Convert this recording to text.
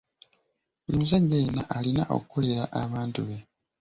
Buli musajja yenna alina okukolerera abantu be.